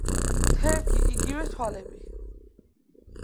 თერგი, იგივე თვალები.